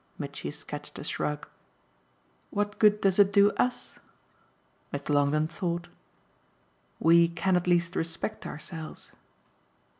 Mitchy sketched a shrug. "What good does it do US?" Mr. Longdon thought. "We can at least respect ourselves."